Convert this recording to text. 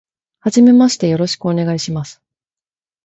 はじめまして、よろしくお願いします。